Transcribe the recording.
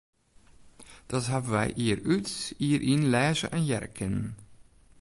Dat hawwe wy jier út, jier yn lêze en hearre kinnen.